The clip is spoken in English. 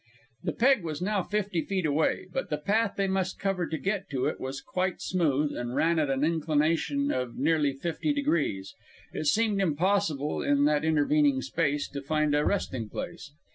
The peg was now fifty feet away, but the path they must cover to get to it was quite smooth, and ran at an inclination of nearly fifty degrees. It seemed impossible, in that intervening space, to find a resting place.